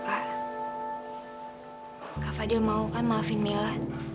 ah kak fadil mau kan maafin mila